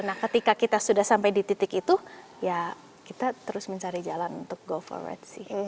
nah ketika kita sudah sampai di titik itu ya kita terus mencari jalan untuk go forward sih